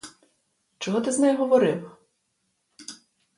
Чого ти з нею говорив?